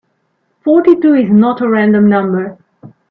Forty-two is not a random number.